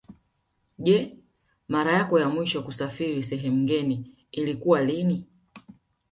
Je mara yako ya mwisho kusafiri sehemu ngeni ilikuwa lini